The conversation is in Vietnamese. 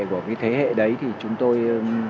của cái thế hệ đấy thì chúng tôi